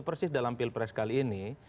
persis dalam pilpres kali ini